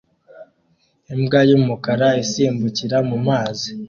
imbwa y'umukara isimbukira mu mazi